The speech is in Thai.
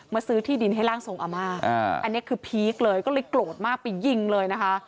ซื้อที่ดินให้ร่างทรงอาม่าอันนี้คือพีคเลยก็เลยโกรธมากไปยิงเลยนะคะ